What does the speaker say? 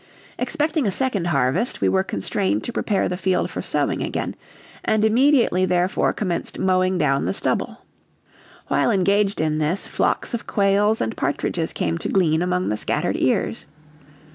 Expecting a second harvest, we were constrained to prepare the field for sowing again, and immediately therefore commenced mowing down the stubble. While engaged in this, flocks of quails and partridges came to glean among the scattered ears.